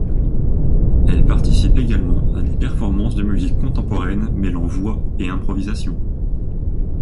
Elle participe également à des performances de musique contemporaine mêlant voix et improvisation.